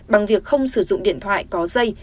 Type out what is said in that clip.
bằng việc không sử dụng điện thoại có dây